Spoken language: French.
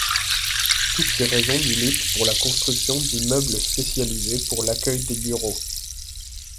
Toutes ces raisons militent pour la construction d'immeubles spécialisés pour l'accueil des bureaux.